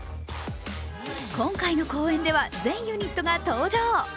今回の公演では全ユニットが登場。